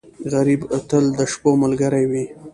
غریب تل د شپو ملګری وي